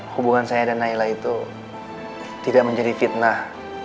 hubungan saya dan naila itu tidak menjadi fitnah